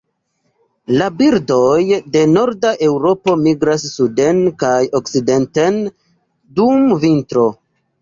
La birdoj de norda Eŭropo migras suden kaj okcidenten dum vintro.